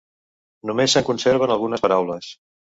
Només se'n conserven algunes paraules.